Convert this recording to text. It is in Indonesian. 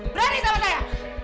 berani sama saya